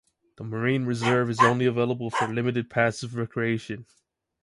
The marine reserve is only available for limited passive recreation.